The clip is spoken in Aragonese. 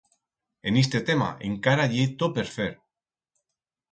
En iste tema encara ye tot per fer.